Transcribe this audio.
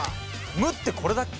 「む」ってこれだっけ？